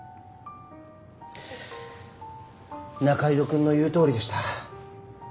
仲井戸くんの言うとおりでした。